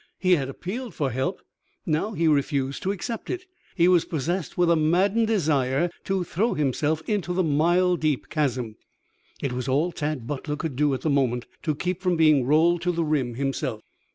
He had appealed for help; now he refused to accept it. He was possessed with a maddened desire to throw himself into the mile deep chasm. It was all Tad Butler could do at the moment to keep from being rolled to the rim himself.